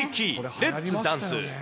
レッツ・ダンス！